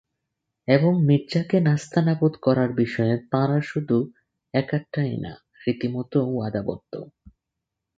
এবং মির্জাকে নাস্তানাবুদ করার বিষয়ে তাঁরা শুধু একাট্টাই না, রীতিমতো ওয়াদাবদ্ধও।